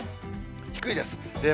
低いです。